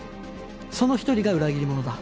その一人が裏切り者だ。